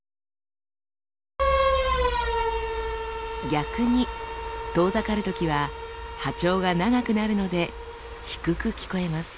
逆に遠ざかるときは波長が長くなるので低く聞こえます。